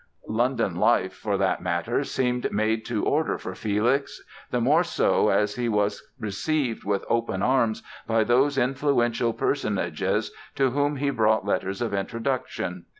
London life, for that matter, seemed made to order for Felix, the more so as he was received with open arms by those influential personages to whom he brought letters of introduction.